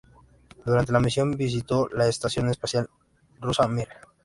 Durante la misión visitó la estación espacial rusa Mir.